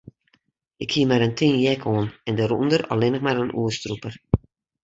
Ik hie mar in tin jack oan en dêrûnder allinnich mar in oerstrûper.